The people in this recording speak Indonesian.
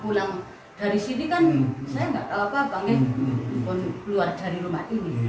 paling keluar dari rumah ini